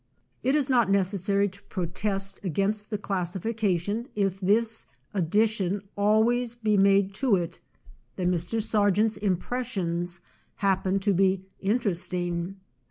It is not necessary to protest against the classification if this ad dition always be made to it, that Mr. Sar gent's impressions happen to be interest ing.